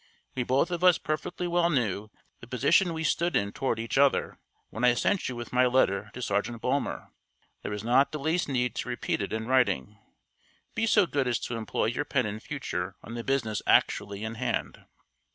We both of us perfectly well knew the position we stood in toward each other when I sent you with my letter to Sergeant Bulmer. There was not the least need to repeat it in writing. Be so good as to employ your pen in future on the business actually in hand.